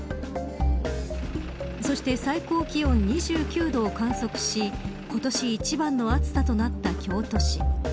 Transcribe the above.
そして最高気温２９度を観測し今年一番の暑さとなった京都市。